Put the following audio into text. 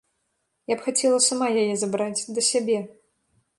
Я б хацела сама яе забраць, да сябе.